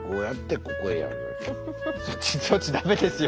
そっちダメですよ